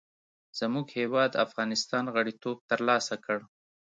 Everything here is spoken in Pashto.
زموږ هېواد افغانستان غړیتوب تر لاسه کړ.